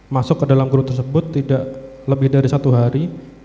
masuk ke dalam grup tersebut tidak lebih dari satu hari